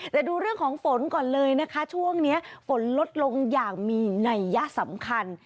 แต่ดูเรื่องของฝนก่อนเลยนะคะช่วงนี้ฝนลดลงอย่างมีนัยยะสำคัญ